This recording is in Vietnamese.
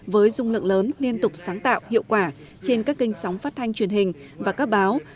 với dung lượng lớn liên tục sáng tạo hiệu quả trên các kênh sóng phát thanh truyền hình và các báo